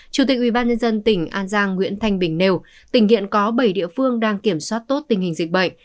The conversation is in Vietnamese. chủ tịch ubnd tỉnh an giang nguyễn thanh bình nêu tỉnh hiện có bảy địa phương đang kiểm soát tốt tình hình dịch bệnh